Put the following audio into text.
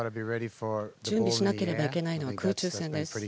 準備しなければいけないのは空中戦です。